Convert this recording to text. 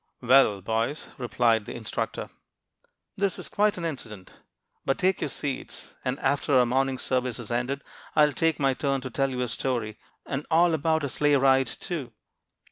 "Well, boys," replied the instructor, "that is quite an incident. But take your seats; and after our morning service is ended, I will take my turn and tell you a story, and all about a sleigh ride, too."